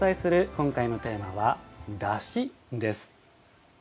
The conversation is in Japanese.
今回のテーマは「だし」です。